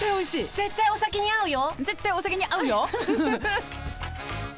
絶対お酒に合うよ！